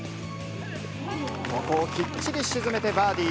ここをきっちり沈めてバーディー。